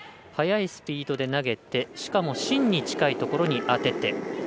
速いスピードで投げてしかも芯に近いところに当てて。